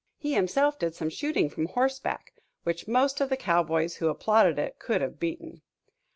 He himself did some shooting from horseback, which most of the cowboys who applauded it could have beaten.